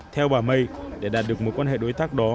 theo bà may để đạt được mối quan hệ đối tác đó